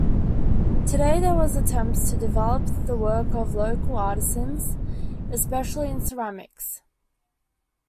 Today there are attempts to develop the work of local artisans, especially in ceramics.